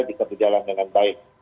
bisa berjalan dengan baik